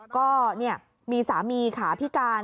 ก็มีสามีขาพิการ